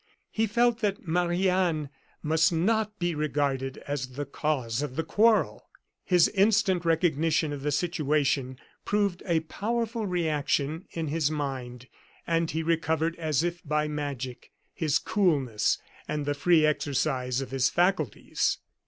He felt that Marie Anne must not be regarded as the cause of the quarrel! His instant recognition of the situation produced a powerful reaction in his mind; and he recovered, as if by magic, his coolness and the free exercise of his faculties.